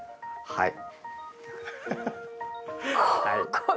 はい。